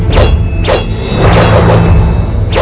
mereka semua berpikir seperti itu